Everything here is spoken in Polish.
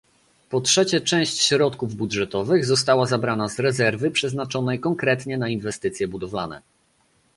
Po trzecie część środków budżetowych została zabrana z rezerwy przeznaczonej konkretnie na inwestycje budowlane